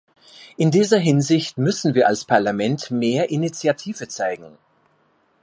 In dieser Hinsicht müssen wir als Parlament mehr Initiative zeigen.